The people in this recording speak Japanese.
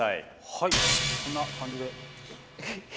はいこんな感じです。